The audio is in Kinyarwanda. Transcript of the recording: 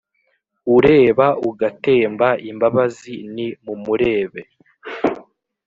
Ureba ugatemba imbabazi ni mumurebe